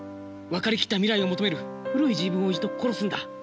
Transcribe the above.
分かりきった未来を求める古い自分を一度殺すんだ。